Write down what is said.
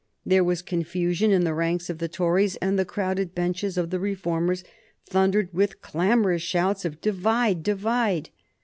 There was confusion in the ranks of the Tories, and the crowded benches of the Reformers thundered with clamorous shouts of "Divide! Divide!"